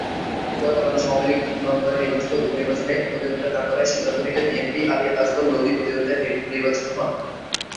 পরে বাংলাদেশ আওয়ামী লীগ নভেম্বরে নির্ধারিত উপনির্বাচনে প্রতিদ্বন্দিতা না করার সিদ্ধান্ত নিলে বিএনপির আলী আসগর লবি বিনা প্রতিদ্বন্দ্বিতায় নির্বাচিত হন।